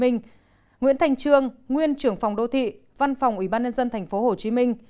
nguyễn thành trương nguyên trưởng phòng đô thị văn phòng ủy ban nhân dân tp hcm